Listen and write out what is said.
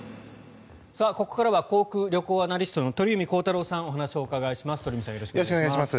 ここからは航空・旅行アナリストの鳥海高太朗さんにお話をお伺いします。